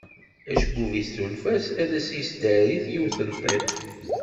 Acebbub-is tunef-as ad as-yesdari yiwet n tiṭ.